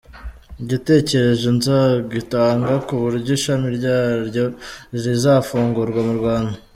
Igitekerezo nzagitanga ku buryo ishami ryaryo rizafungurwa mu Rwanda.